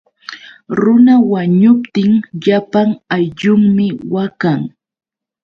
Runa wañuptin llapan ayllunmi waqan.